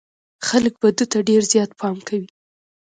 خلک به ده ته ډېر زيات پام کوي.